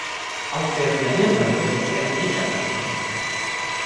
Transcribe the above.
Auf der Flaniermeile wird Sie ein Grieche ansprechen.